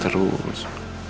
jangan jutek jutek terus